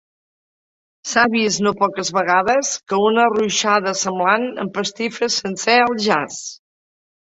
S'ha vist no poques vegades que una arruixada semblant empastife sencer el jaç.